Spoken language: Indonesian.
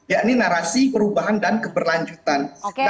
yakni narasi perubahan dan keberlanjutan